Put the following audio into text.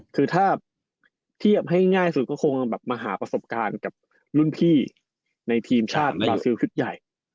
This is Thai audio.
คือถ้าเทียบให้ง่ายสุดก็คงแบบมาหาประสบการณ์กับรุ่นพี่ในทีมชาติในซิลชุดใหญ่